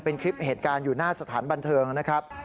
เป็นคลิปเหตุการณ์อยู่หน้าสถานบันเทิงนะครับ